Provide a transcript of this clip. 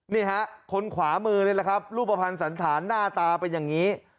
นี่ฮะคนขวามือนี่แหละครับรูปภัณฑ์สันฐานหน้าตาเป็นอย่างนี้